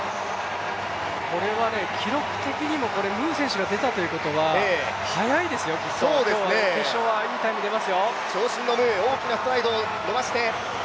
これは記録的にもムー選手が出たということは、速いですよきっと、決勝はいいタイムが出ますよ。